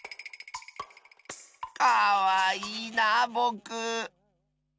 かわいいなあぼく。